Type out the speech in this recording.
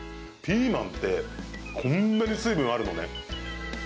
ピーマンってこんなに水分あるのね。